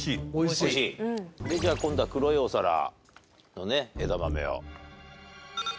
それじゃあ今度は黒いお皿の枝豆を。